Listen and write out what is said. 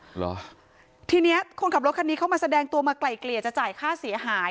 เหรอทีเนี้ยคนขับรถคันนี้เข้ามาแสดงตัวมาไกล่เกลี่ยจะจ่ายค่าเสียหาย